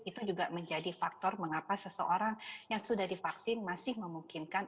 itu juga menjadi faktor mengapa seseorang yang sudah divaksin masih memungkinkan